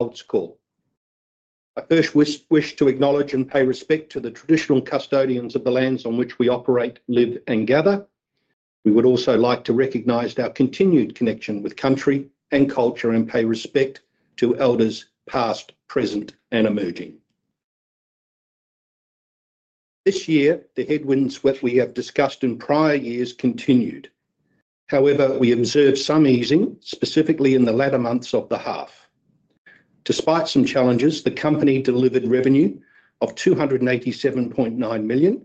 Old School. I first wish to acknowledge and pay respect to the traditional custodians of the lands on which we operate, live, and gather. We would also like to recognise our continued connection with country and culture and pay respect to elders past, present, and emerging. This year, the headwinds that we have discussed in prior years continued. However, we observed some easing, specifically in the latter months of the half. Despite some challenges, the company delivered revenue of 287.9 million,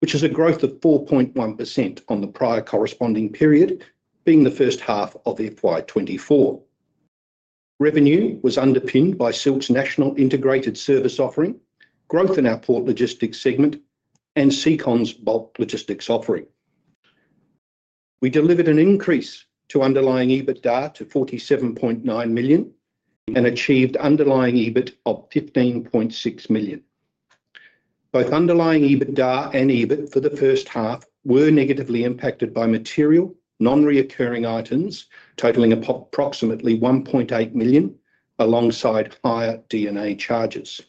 which is a growth of 4.1% on the prior corresponding period, being the first half of FY2024. Revenue was underpinned by Silk's national integrated service offering, growth in our Port Logistics segment, and Secon's bulk logistics offering. We delivered an increase to underlying EBITDA to 47.9 million and achieved underlying EBIT of 15.6 million. Both underlying EBITDA and EBIT for the first half were negatively impacted by material, non-reoccurring items totaling approximately 1.8 million, alongside higher D&A charges.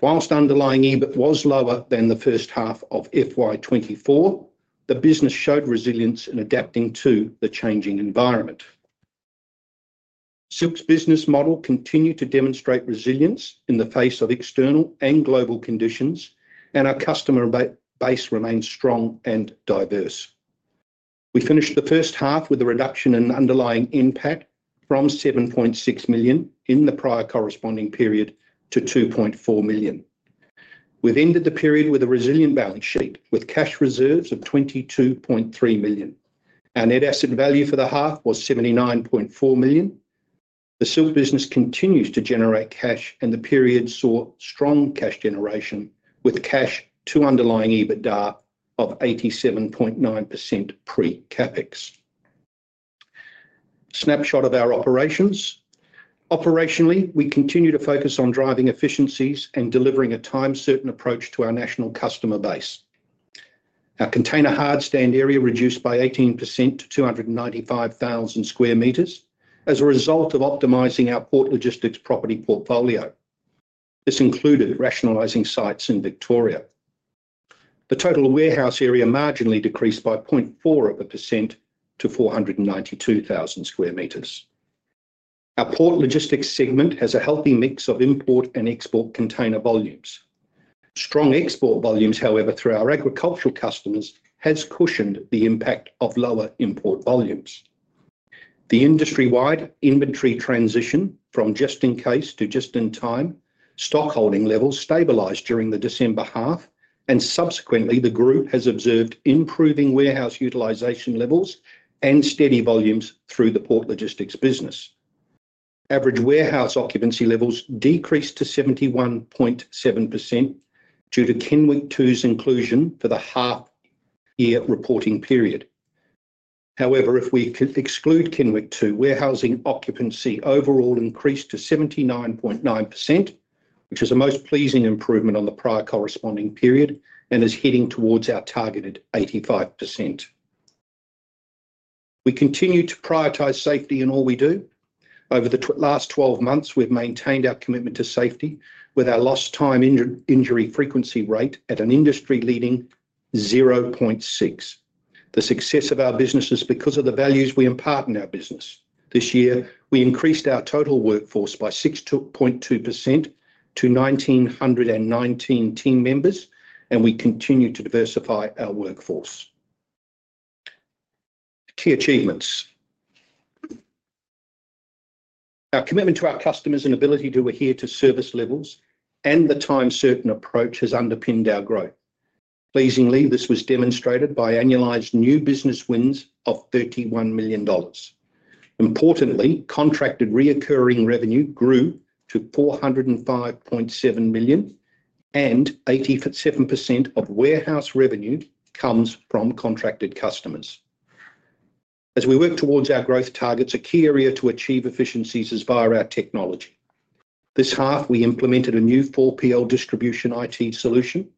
Whilst underlying EBIT was lower than the first half of FY2024, the business showed resilience in adapting to the changing environment. Silk's business model continued to demonstrate resilience in the face of external and global conditions, and our customer base remains strong and diverse. We finished the first half with a reduction in underlying finance expense from 7.6 million in the prior corresponding period to 2.4 million. We've ended the period with a resilient balance sheet with cash reserves of 22.3 million. Our net asset value for the half was 79.4 million. The Silk business continues to generate cash, and the period saw strong cash generation with cash to underlying EBITDA of 87.9% pre-CapEx. Snapshot of our operations. Operationally, we continue to focus on driving efficiencies and delivering a time-certain approach to our national customer base. Our container hard stand area reduced by 18% to 295,000 sq m as a result of optimizing our port logistics property portfolio. This included rationalizing sites in Victoria. The total warehouse area marginally decreased by 0.4% to 492,000 sq m. Our port logistics segment has a healthy mix of import and export container volumes. Strong export volumes, however, through our agricultural customers has cushioned the impact of lower import volumes. The industry-wide inventory transition from just-in-case to just-in-time stock holding levels stabilized during the December half, and subsequently, the group has observed improving warehouse utilization levels and steady volumes through the port logistics business. Average warehouse occupancy levels decreased to 71.7% due to Kenwick II's inclusion for the half-year reporting period. However, if we exclude Kenwick II, warehousing occupancy overall increased to 79.9%, which is a most pleasing improvement on the prior corresponding period and is heading towards our targeted 85%. We continue to prioritize safety in all we do. Over the last 12 months, we've maintained our commitment to safety with our lost time injury frequency rate at an industry-leading 0.6. The success of our business is because of the values we impart in our business. This year, we increased our total workforce by 6.2% to 1,919 team members, and we continue to diversify our workforce. Key achievements. Our commitment to our customers and ability to adhere to service levels and the time-certain approach has underpinned our growth. Pleasingly, this was demonstrated by annualized new business wins of 31 million dollars. Importantly, contracted recurring revenue grew to 405.7 million, and 87% of warehouse revenue comes from contracted customers. As we work towards our growth targets, a key area to achieve efficiencies is via our technology. This half, we implemented a new 4PL distribution IT solution.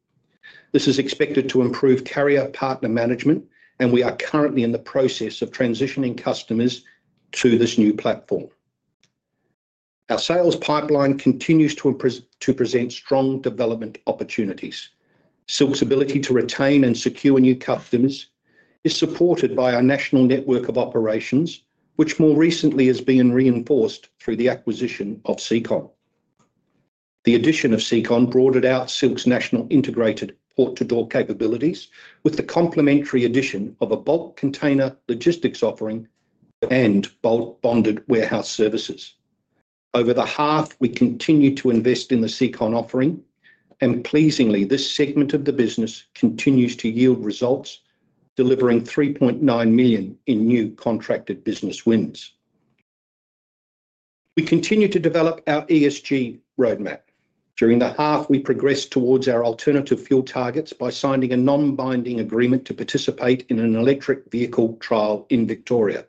This is expected to improve carrier partner management, and we are currently in the process of transitioning customers to this new platform. Our sales pipeline continues to present strong development opportunities. Silk's ability to retain and secure new customers is supported by our national network of operations, which more recently has been reinforced through the acquisition of Secon. The addition of Secon broadened out Silk's national integrated port-to-door capabilities with the complementary addition of a bulk container logistics offering and bulk bonded warehouse services. Over the half, we continue to invest in the Secon offering, and pleasingly, this segment of the business continues to yield results, delivering 3.9 million in new contracted business wins. We continue to develop our ESG roadmap. During the half, we progressed towards our alternative fuel targets by signing a non-binding agreement to participate in an electric vehicle trial in Victoria.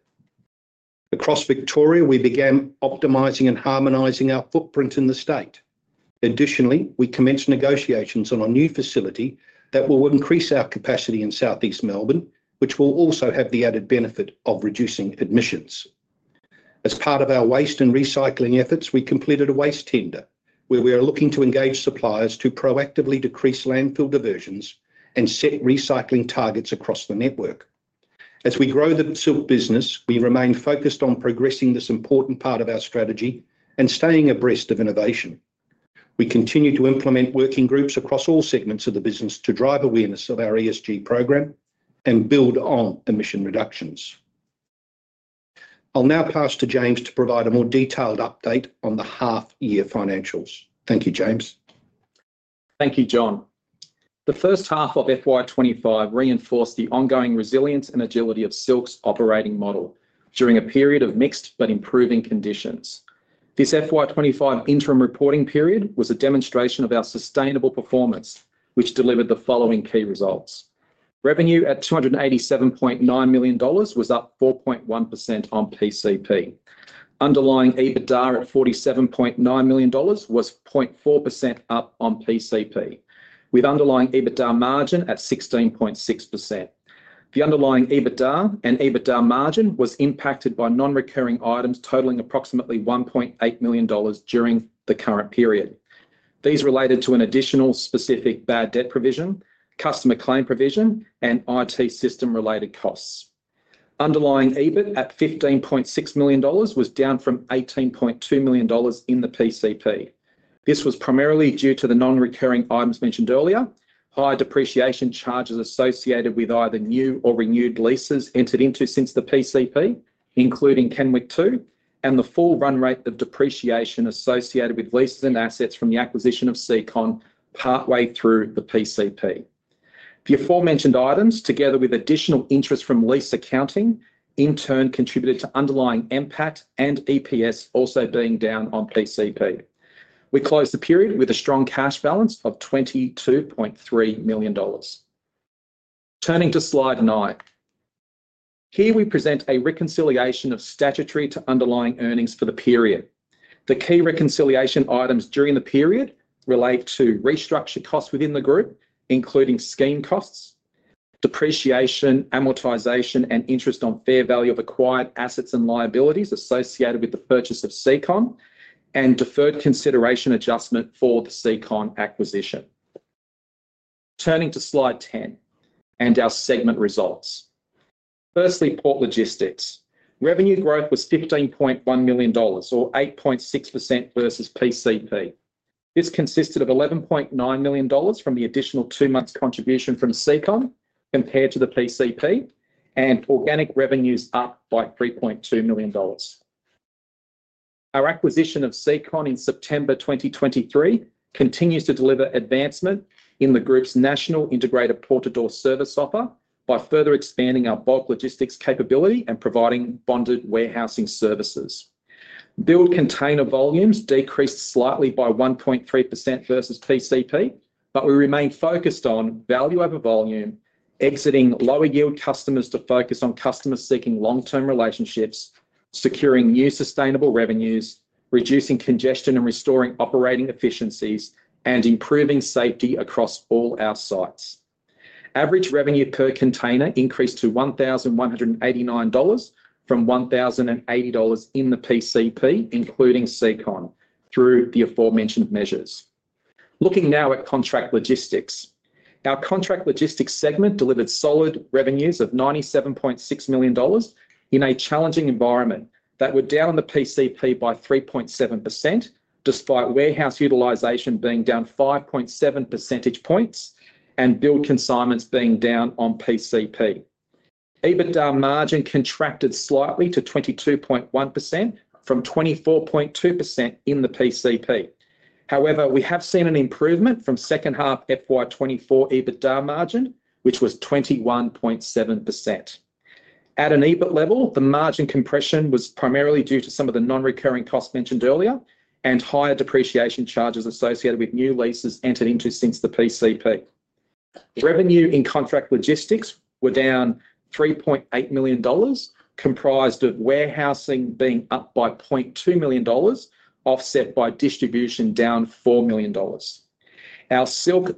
Across Victoria, we began optimizing and harmonizing our footprint in the state. Additionally, we commenced negotiations on a new facility that will increase our capacity in southeast Melbourne, which will also have the added benefit of reducing emissions. As part of our waste and recycling efforts, we completed a waste tender where we are looking to engage suppliers to proactively decrease landfill diversions and set recycling targets across the network. As we grow the Silk business, we remain focused on progressing this important part of our strategy and staying abreast of innovation. We continue to implement working groups across all segments of the business to drive awareness of our ESG program and build on emission reductions. I'll now pass to James to provide a more detailed update on the half-year financials. Thank you, James. Thank you, John. The first half of FY25 reinforced the ongoing resilience and agility of Silk's operating model during a period of mixed but improving conditions. This FY25 interim reporting period was a demonstration of our sustainable performance, which delivered the following key results. Revenue at 287.9 million dollars was up 4.1% on PCP. Underlying EBITDA at 47.9 million dollars was 0.4% up on PCP, with underlying EBITDA margin at 16.6%. The underlying EBITDA and EBITDA margin was impacted by non-recurring items totaling approximately 1.8 million dollars during the current period. These related to an additional specific bad debt provision, customer claim provision, and IT system-related costs. Underlying EBIT at 15.6 million dollars was down from 18.2 million dollars in the PCP. This was primarily due to the non-recurring items mentioned earlier, higher depreciation charges associated with either new or renewed leases entered into since the PCP, including Kenwick II, and the full run rate of depreciation associated with leases and assets from the acquisition of Secon partway through the PCP. The aforementioned items, together with additional interest from lease accounting, in turn contributed to underlying NPAT and EPS also being down on PCP. We closed the period with a strong cash balance of 22.3 million dollars. Turning to slide nine, here we present a reconciliation of statutory to underlying earnings for the period. The key reconciliation items during the period relate to restructure costs within the group, including scheme costs, depreciation, amortization, and interest on fair value of acquired assets and liabilities associated with the purchase of Secon, and deferred consideration adjustment for the Secon acquisition. Turning to slide ten and our segment results. Firstly, port logistics. Revenue growth was 15.1 million dollars, or 8.6% versus PCP. This consisted of 11.9 million dollars from the additional two-month contribution from Secon compared to the PCP, and organic revenues up by 3.2 million dollars. Our acquisition of Secon in September 2023 continues to deliver advancement in the group's national integrated port-to-door service offer by further expanding our bulk logistics capability and providing bonded warehousing services. billed container volumes decreased slightly by 1.3% versus PCP, but we remain focused on value over volume, exiting lower-yield customers to focus on customers seeking long-term relationships, securing new sustainable revenues, reducing congestion and restoring operating efficiencies, and improving safety across all our sites. Average revenue per container increased to 1,189 dollars from 1,080 dollars in the PCP, including Secon, through the aforementioned measures. Looking now at Contract Logistics, our Contract Logistics segment delivered solid revenues of 97.6 million dollars in a challenging environment that were down on the PCP by 3.7%, despite warehouse utilisation being down 5.7 percentage points and billed consignments being down on PCP. EBITDA margin contracted slightly to 22.1% from 24.2% in the PCP. However, we have seen an improvement from second half FY2024 EBITDA margin, which was 21.7%. At an EBIT level, the margin compression was primarily due to some of the non-recurring costs mentioned earlier and higher depreciation charges associated with new leases entered into since the PCP. Revenue in Contract Logistics were down 3.8 million dollars, comprised of warehousing being up by 0.2 million dollars, offset by distribution down 4 million dollars. Our Silk's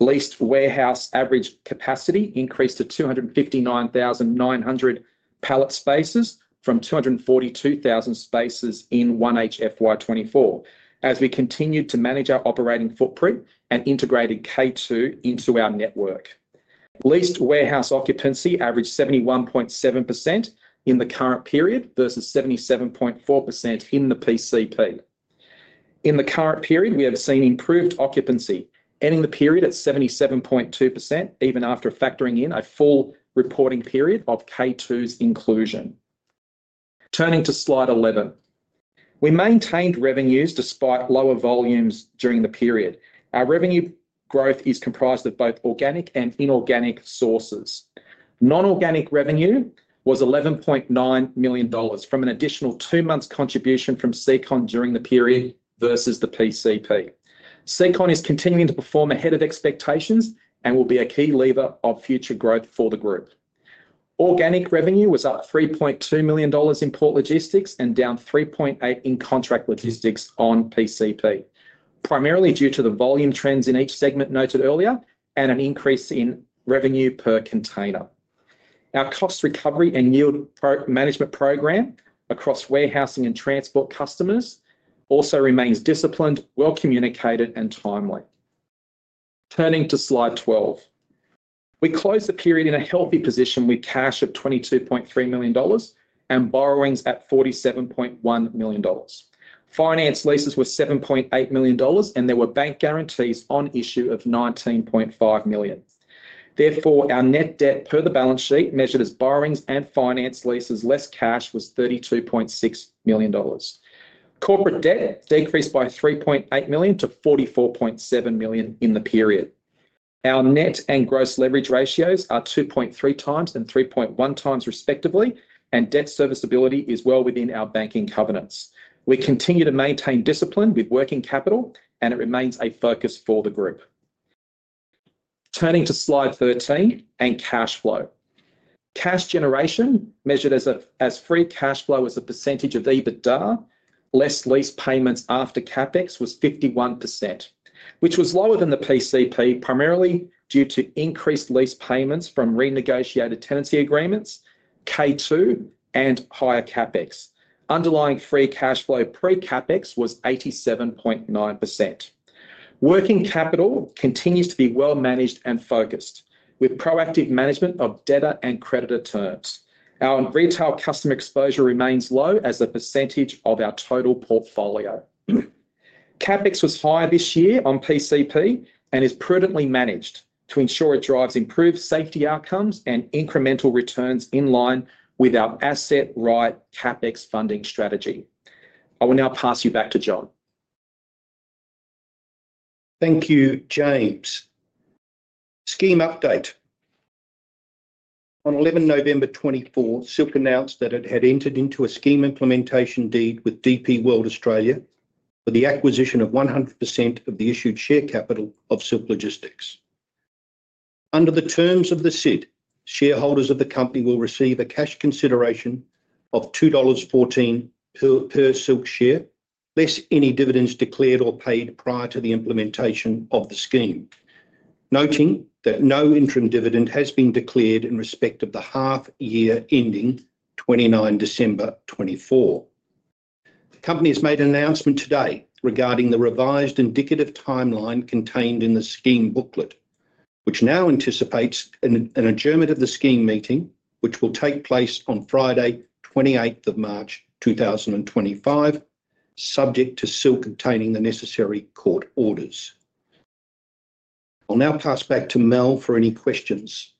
leased warehouse average capacity increased to 259,900 pallet spaces from 242,000 spaces in H1 FY2024 as we continued to manage our operating footprint and integrated Kenwick II into our network. Leased warehouse occupancy averaged 71.7% in the current period versus 77.4% in the PCP. In the current period, we have seen improved occupancy ending the period at 77.2%, even after factoring in a full reporting period of Kenwick II's inclusion. Turning to slide eleven, we maintained revenues despite lower volumes during the period. Our revenue growth is comprised of both organic and inorganic sources. Non-organic revenue was 11.9 million dollars from an additional two-month contribution from Secon during the period versus the PCP. Secon is continuing to perform ahead of expectations and will be a key lever of future growth for the group. Organic revenue was up 3.2 million dollars in port logistics and down 3.8 million in Contract Logistics on PCP, primarily due to the volume trends in each segment noted earlier and an increase in revenue per container. Our cost recovery and yield management program across warehousing and transport customers also remains disciplined, well communicated, and timely. Turning to slide twelve, we closed the period in a healthy position with cash of 22.3 million dollars and borrowings at 47.1 million dollars. Finance leases were 7.8 million dollars, and there were bank guarantees on issue of 19.5 million. Therefore, our net debt per the balance sheet measured as borrowings and finance leases less cash was 32.6 million dollars. Corporate debt decreased by 3.8 million to 44.7 million in the period. Our net and gross leverage ratios are 2.3x and 3.1x respectively, and debt serviceability is well within our banking covenants. We continue to maintain discipline with working capital, and it remains a focus for the group. Turning to slide thirteen and cash flow. Cash generation measured as free cash flow as a percentage of EBITDA less lease payments after CapEx was 51%, which was lower than the PCP primarily due to increased lease payments from renegotiated tenancy agreements, Kenwick II, and higher CapEx. Underlying free cash flow pre-CapEx was 87.9%. Working capital continues to be well managed and focused with proactive management of debtor and creditor terms. Our retail customer exposure remains low as a percentage of our total portfolio. CapEx was higher this year on PCP and is prudently managed to ensure it drives improved safety outcomes and incremental returns in line with our asset-right CapEx funding strategy. I will now pass you back to John. Thank you, James. Scheme update. On 11 November 2024, Silk announced that it had entered into a scheme implementation deed with DP World Australia for the acquisition of 100% of the issued share capital of Silk Logistics. Under the terms of the SID, shareholders of the company will receive a cash consideration of 2.14 dollars per Silk share less any dividends declared or paid prior to the implementation of the scheme, noting that no interim dividend has been declared in respect of the half-year ending 29 December 2024. The company has made an announcement today regarding the revised indicative timeline contained in the scheme booklet, which now anticipates an adjournment of the scheme meeting, which will take place on Friday, 28 March 2025, subject to Silk obtaining the necessary court orders. I'll now pass back to Mel for any questions.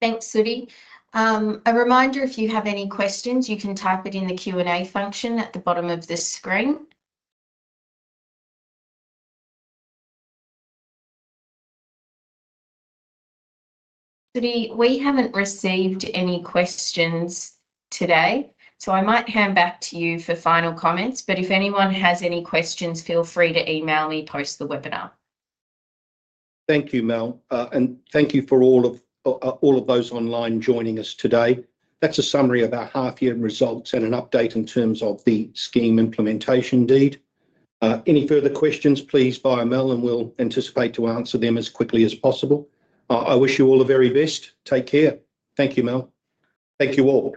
Thanks, Soodi. A reminder, if you have any questions, you can type it in the Q&A function at the bottom of the screen. Soodi, we haven't received any questions today, so I might hand back to you for final comments. If anyone has any questions, feel free to email me post the webinar. Thank you, Mel, and thank you for all of those online joining us today. That's a summary of our half-year results and an update in terms of the scheme implementation deed. Any further questions, please email Mel, and we'll anticipate to answer them as quickly as possible. I wish you all the very best. Take care. Thank you, Mel. Thank you all.